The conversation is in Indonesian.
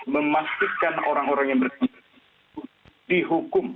memastikan orang orang yang bertemu dengan itu dihukum